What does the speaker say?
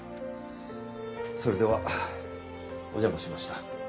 それではお邪魔しました。